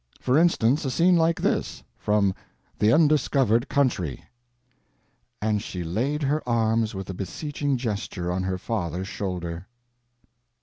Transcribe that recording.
For instance, a scene like this, from The Undiscovered Country: "... and she laid her arms with a beseeching gesture on her father's shoulder."